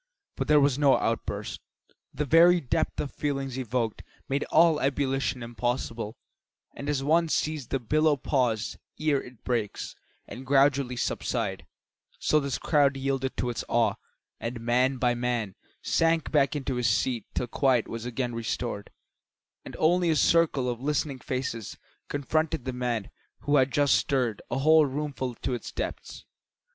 But there was no outburst. The very depth of the feelings evoked made all ebullition impossible, and as one sees the billow pause ere it breaks, and gradually subside, so this crowd yielded to its awe, and man by man sank back into his seat till quiet was again restored, and only a circle of listening faces confronted the man who had just stirred a whole roomful to its depths.